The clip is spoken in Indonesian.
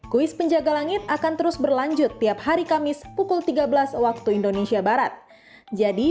kuis penjaga langit akan terus berlanjut tiap hari kamis pukul tiga belas waktu indonesia barat jadi